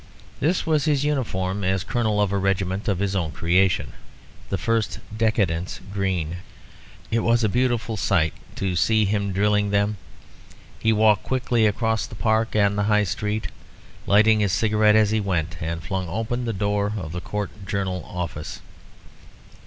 This was his uniform as Colonel of a regiment of his own creation, the 1st Decadents Green. It was a beautiful sight to see him drilling them. He walked quickly across the Park and the High Street, lighting his cigarette as he went, and flung open the door of the Court Journal office.